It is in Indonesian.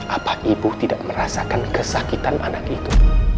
apa ibu tidak merasakan kesakitan anak itu